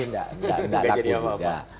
tidak laku juga